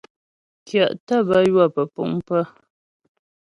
Kyə̀ tə́ bə ywə pə́puŋ pə̀.